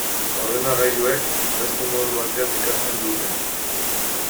Ordenagailuek beste modu batean ikasten dute.